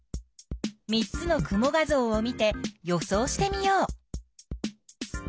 ３つの雲画ぞうを見て予想してみよう。